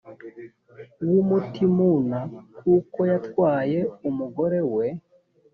w umutimuna kuko yatwaye umugore we